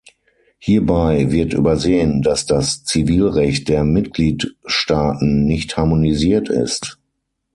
Hierbei wird übersehen, dass das Zivilrecht der Mitgliedstaaten nicht harmonisiert ist.